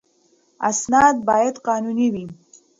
اسناد باید قانوني وي.